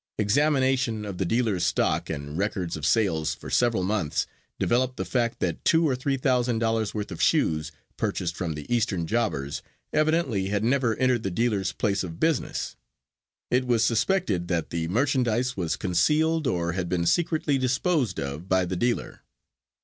Examination of the dealers' stock and records of sales for several months developed the fact that two or three thousand dollars worth of shoes purchased from the eastern jobbers evidently had never entered the dealer's place of business. It was suspected that the merchandise was concealed or had been secretly disposed of by the dealer.